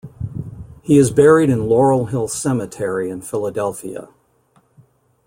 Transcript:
He is buried in Laurel Hill Cemetery in Philadelphia.